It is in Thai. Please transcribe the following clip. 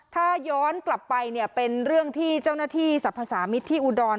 ถ้าย้อนกลับไปเนี่ยเป็นเรื่องที่เจ้าหน้าที่สรรพสามิตรที่อุดร